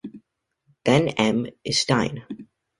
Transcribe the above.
Then "M" is Stein.